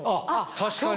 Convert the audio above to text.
確かに。